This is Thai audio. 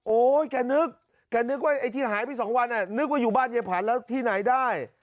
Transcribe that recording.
แกนึกแกนึกว่าไอ้ที่หายไปสองวันนึกว่าอยู่บ้านยายผันแล้วที่ไหนได้